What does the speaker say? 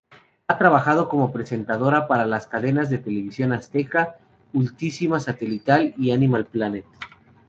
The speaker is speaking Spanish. Ha trabajado como presentadora para las cadenas Televisión Azteca, Utilísima Satelital y Animal Planet.